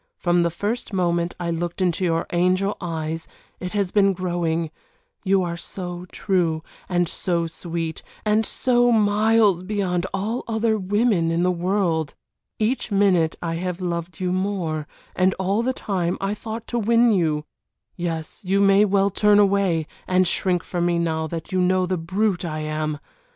From the first moment I looked into your angel eyes it has been growing, you are so true and so sweet, and so miles beyond all other women in the world. Each minute I have loved you more and all the time I thought to win you. Yes, you may well turn away, and shrink from me now that you know the brute I am.